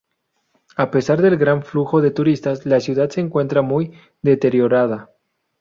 A pesar del gran flujo de turistas, la ciudad se encuentra muy deteriorada.